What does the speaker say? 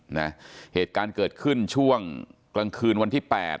หรือบอกว่าเหตุการณ์ได้เกิดขึ้นช่วงกลางคืนวันที่๘